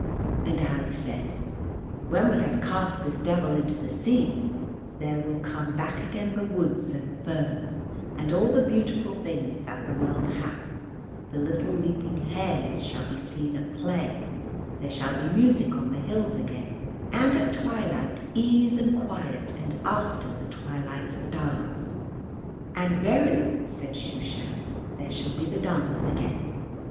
And Ali said: "When we have cast this devil into the sea there will come back again the woods and ferns and all the beautiful things that the world hath, the little leaping hares shall be seen at play, there shall be music on the hills again, and at twilight ease and quiet and after the twilight stars." And "Verily," said Shooshan, "there shall be the dance again."